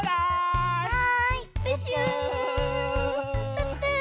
プップー！